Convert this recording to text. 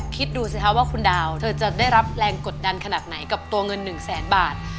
คิดดูสิคะว่าคุณดาวเธอจะได้รับแรงกดดันขนาดไหนกับตัวเงิน๑แสนบาท